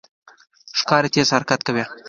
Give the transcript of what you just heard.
ښکاري تېز حرکت کوي.